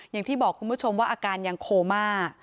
อย่างที่บอกคุณผู้ชมว่าอาการยังโคม่า